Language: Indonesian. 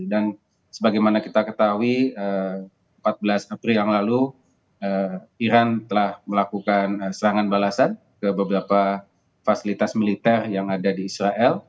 dan sebagaimana kita ketahui empat belas april yang lalu iran telah melakukan serangan balasan ke beberapa fasilitas militer yang ada di israel